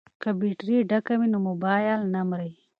که بیټرۍ ډکه وي نو مبایل نه مري.